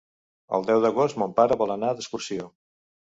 El deu d'agost mon pare vol anar d'excursió.